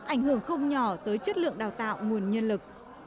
ảnh hưởng không nhỏ tới chất lượng đào tạo nguồn nhân lực